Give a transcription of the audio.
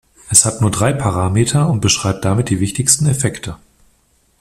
Es hat nur drei Parameter und beschreibt damit die wichtigsten Effekte.